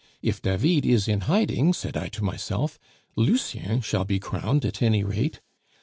'If David is in hiding,' said I to myself, 'Lucien shall be crowned at any rate.